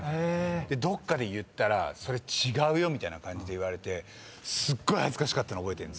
でどっかで言ったら「それ違うよ」みたいな感じで言われてすっごい恥ずかしかったの覚えてる。